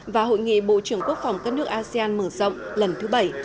và hội nghị bộ trưởng quốc phòng các nước asean mở rộng lần thứ bảy